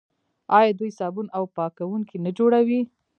آیا دوی صابون او پاکوونکي نه جوړوي؟